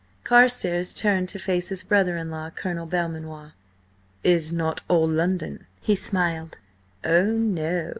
Carstares turned to face his brother in law, Colonel Belmanoir. "Is not all London?" he smiled. "Oh, no!